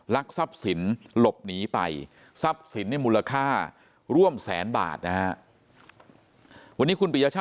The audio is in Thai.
ทรัพย์สินหลบหนีไปทรัพย์สินเนี่ยมูลค่าร่วมแสนบาทนะฮะ